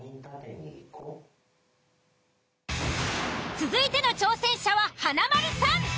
続いての挑戦者は華丸さん。